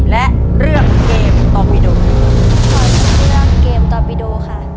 และเลือกเกมตอบอีดู